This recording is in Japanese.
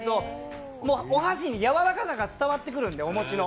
お箸にやわらかさが伝わってくるから、お餅の。